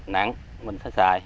nặng mình sẽ xài